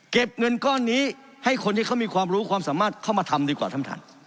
เงินก้อนนี้ให้คนที่เขามีความรู้ความสามารถเข้ามาทำดีกว่าท่านท่าน